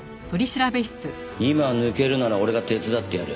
今抜けるなら俺が手伝ってやる。